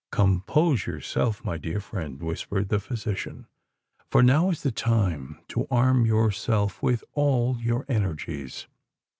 "Compose yourself, my dear friend," whispered the physician: "for now is the time to arm yourself with all your energies!"